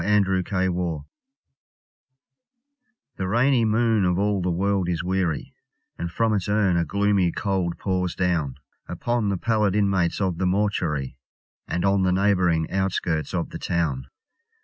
Spleen The rainy moon of all the world is weary, And from its urn a gloomy cold pours down, Upon the pallid inmates of the mortuary, And on the neighbouring outskirts of the town.